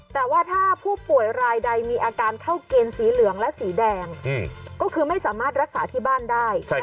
แต่ว่าถ้าผู้ป่วยรายใดมีอาการเข้าเกณฑ์สีเหลืองและสีแดงก็คือไม่สามารถรักษาที่บ้านได้